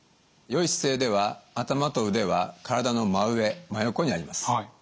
良い姿勢では頭と腕は体の真上真横にあります。